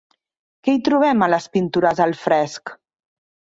Què hi trobem a les pintures al fresc?